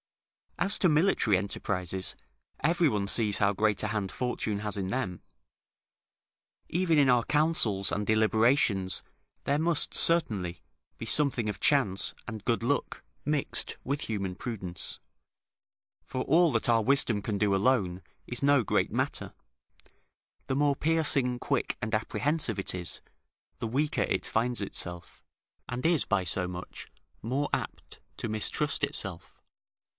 As to military enterprises, every one sees how great a hand Fortune has in them. Even in our counsels and deliberations there must, certainly, be something of chance and good luck mixed with human prudence; for all that our wisdom can do alone is no great matter; the more piercing, quick, and apprehensive it is, the weaker it finds itself, and is by so much more apt to mistrust itself.